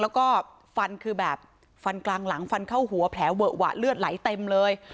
แล้วก็ฟันคือแบบฟันกลางหลังฟันเข้าหัวแผลเวอะหวะเลือดไหลเต็มเลย